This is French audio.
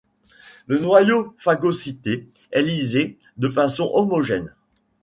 Le noyau phagocyté est lysé de façon homogène.